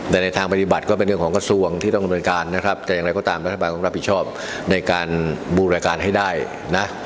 แต่ในทางปฏิบัติก็เป็นเรื่องของกระทรวงที่ต้องดำเนินการนะครับแต่อย่างไรก็ตามรัฐบาลต้องรับผิดชอบในการบูรการให้ได้นะ